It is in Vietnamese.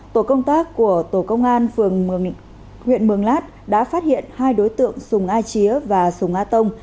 tổ công tác của tổ công an phường huyện mường lát đã phát hiện hai đối tượng sùng a chía và sùng a tông